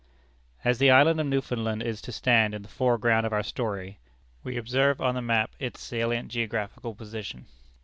As the island of Newfoundland is to stand in the foreground of our story, we observe on the map its salient geographical position.